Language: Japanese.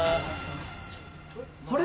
あれ？